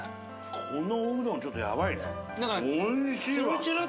このおうどんちょっとやばいね。